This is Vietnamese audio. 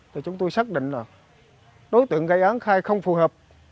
thì chúng tôi xác định là đối tượng gây án khai không phù hợp